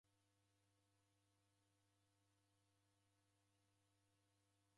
Uo mndu wa sharia ni mkongo sana.